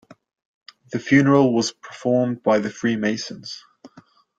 The funeral was performed by Freemasons.